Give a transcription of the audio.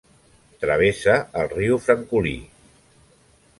Travessa el riu Francolí.